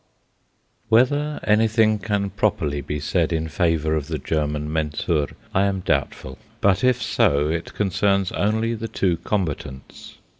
Whether anything can properly be said in favour of the German Mensur I am doubtful; but if so it concerns only the two combatants.